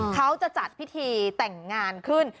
เขาจะจัดพิธีแต่งงานขึ้น